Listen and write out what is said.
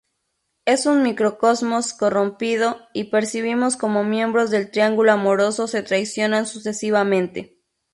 Es un microcosmos corrompido, y percibimos cómo miembros del triángulo amoroso se traicionan sucesivamente.